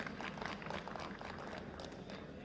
untuk memenuhi kekuatan pokok minimum